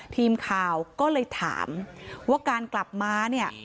ทีมข่าวก็เลยถามว่าการกลับมาเนี่ย